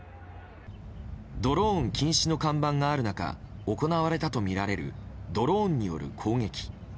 ドローン禁止の看板がある中行われたとみられるドローンによる攻撃。